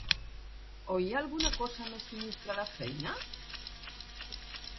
O hi ha alguna cosa més sinistra a la feina?